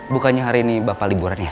bukannya hari ini bapak liburan ya